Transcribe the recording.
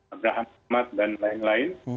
abraham umat dan lain lain